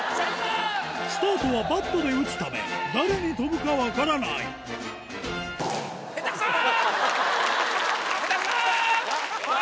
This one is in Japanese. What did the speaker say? スタートはバットで打つため誰に飛ぶか分からない下手くそ！